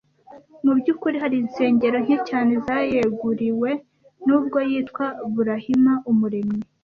Mu by’ukuri hari insengero nke cyane zayeguriwe nubwo yitwa Burahima Umuremyi